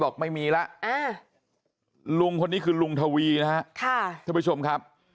ข้างออกไปชมครับ